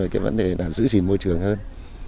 cái vấn đề là giữ chỉ môi trường hơn